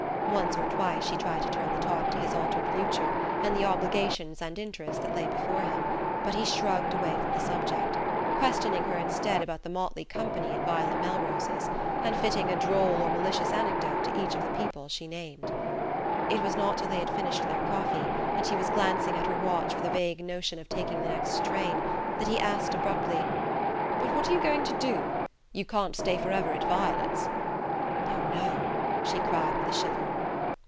Once or twice she tried to turn the talk to his altered future, and the obligations and interests that lay before him; but he shrugged away from the subject, questioning her instead about the motley company at Violet Melrose's, and fitting a droll or malicious anecdote to each of the people she named. It was not till they had finished their coffee, and she was glancing at her watch with a vague notion of taking the next train, that he asked abruptly: "But what are you going to do? You can't stay forever at Violet's." "Oh, no!" she cried with a shiver.